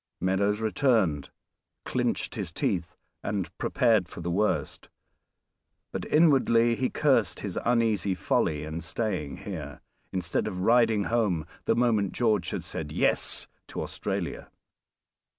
Meadows returned, clinched his teeth, and prepared for the worst, but inwardly he cursed his uneasy folly in staying here, instead of riding home the moment George had said "Yes!" to Australia.